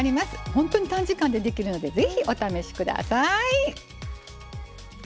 本当に短時間でできるのでぜひお試しください。